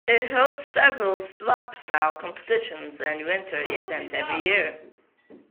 It hosts several Slopestyle Competitions and winter events every year.